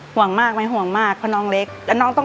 ห่วงมากไม่ห่วงมากเพราะน้องเล็ก